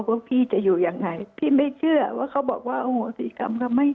ว่าพี่จะอยู่ยังไงพี่ไม่เชื่อว่าเขาบอกว่าโหสี่คำก็ไม่